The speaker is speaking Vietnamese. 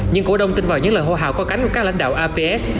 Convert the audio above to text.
những cổ đông tin vào những lời hô hào có cánh của các lãnh đạo aps